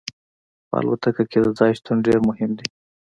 په الوتکه کې د ځای شتون ډیر مهم دی